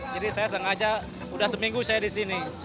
jadi saya sengaja udah seminggu saya disini